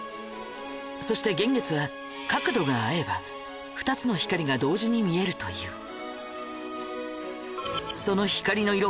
そして幻月は角度が合えば２つの光が同時に見えるという。